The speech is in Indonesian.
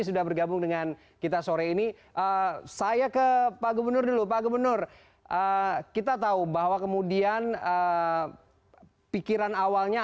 selamat sore pak surya